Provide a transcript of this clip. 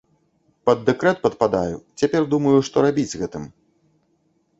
Пад дэкрэт падпадаю, цяпер думаю, што рабіць з гэтым.